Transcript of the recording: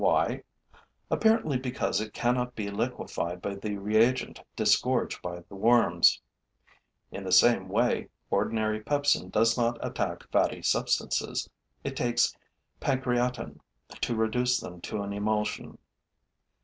Why? Apparently because it cannot be liquefied by the reagent disgorged by the worms. In the same way, ordinary pepsin does not attack fatty substances; it takes pancreatin to reduce them to an emulsion.